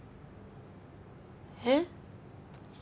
えっ？